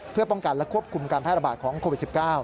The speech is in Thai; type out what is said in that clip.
เพื่อป้องกันและควบคุมการแพร่ระบาดของโควิด๑๙